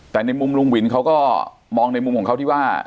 แต่ในมุมลุงวินเขาก็มองในมุมของเขาที่ว่า